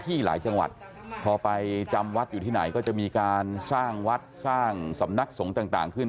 หลายจังหวัดพอไปจำวัดอยู่ที่ไหนก็จะมีการสร้างวัดสร้างสำนักสงฆ์ต่างขึ้น